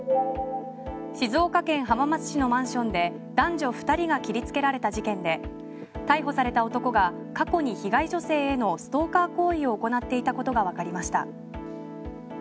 静岡県浜松市のマンションで男女２人が切り付けられた事件で逮捕された男が過去に被害女性へのストーカー行為を行っていたことがわかりました。